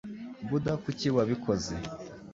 Buda kuki wabikoze